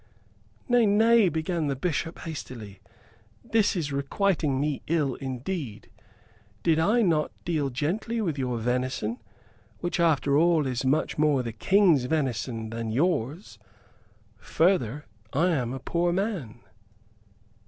"Nay, nay," began the Bishop, hastily, "this is requiting me ill indeed. Did I not deal gently with your venison, which after all is much more the King's venison than yours? Further, I am a poor man."